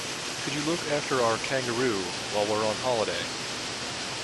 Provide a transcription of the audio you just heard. Could you look after our kangaroo while we're on holiday?